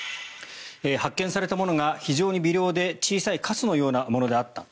発見されたものが非常に微量で小さいかすのようなものであった。